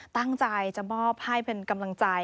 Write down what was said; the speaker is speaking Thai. ตั้งใจจะมอบให้เป็นกำลังใจ